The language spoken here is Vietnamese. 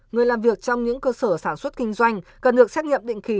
người làm việc trong những cơ sở sản xuất kinh doanh cần được xét nghiệm định kỳ